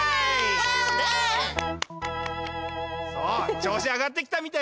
ちょうし上がってきたみたいやな！